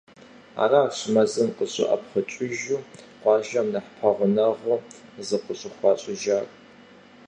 Аращ мэзым къыщӏэӏэпхъукӏыжу къуажэм нэхъ пэгъунэгъу зыкъыщӏыхуащӏыжар.